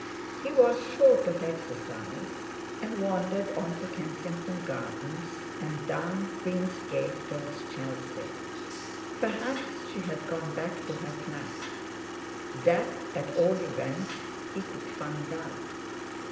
He was short of exercise, and wandered on to Kensington Gardens, and down Queen's Gate towards Chelsea. Perhaps she had gone back to her flat. That at all events he could find out.